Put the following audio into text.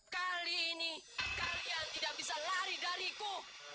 kali ini kalian tidak bisa lari dariku